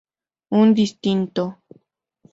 Un distinto.